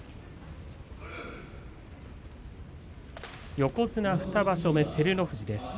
横綱２場所目照ノ富士です。